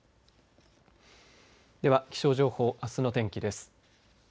では気象情報、あすの天気です。